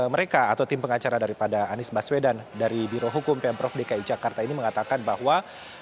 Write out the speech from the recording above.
mereka atau tim pengacara daripada anies baswedan dari birohukum pemprov dki jakarta ini mengatakan bahwa